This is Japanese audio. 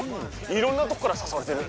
いろんなとこからさそわれてる。